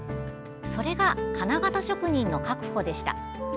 それが、金型職人の確保でした。